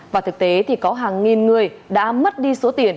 và thực tế thì có hàng nghìn người đã mất đi số tiền